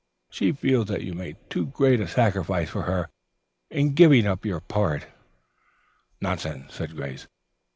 She feels that you made too great a sacrifice for her in giving up your part." "Nonsense," said Grace.